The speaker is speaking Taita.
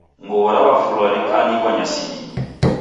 Nguw'o rafulwa rikaanikwa nyasinyi